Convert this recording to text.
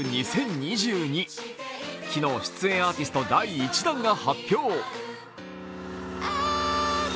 昨日、出演アーティスト第１弾が発表。